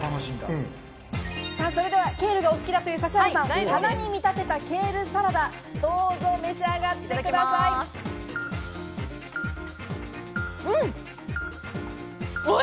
ケールがお好きだという指原さん、花に見立てたケールサラダ、どうぞ召し上がってください。